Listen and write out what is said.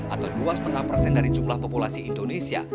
atau dua lima persen dari jumlah populasi indonesia